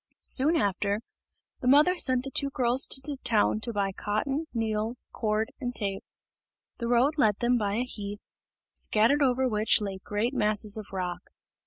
Soon after, the mother sent the two girls to the town to buy cotton, needles, cord, and tape. The road led them by a heath, scattered over which lay great masses of rock.